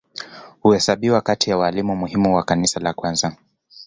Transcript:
Huhesabiwa kati ya walimu muhimu wa Kanisa la kwanza.